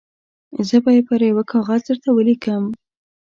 زه به یې پر یوه کاغذ درته ولیکم.